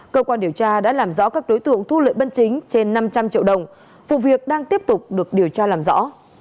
cơ quan điều tra đã làm rõ các đối tượng thu lợi bất chính trên năm trăm linh triệu đồng vụ việc đang tiếp tục được điều tra làm rõ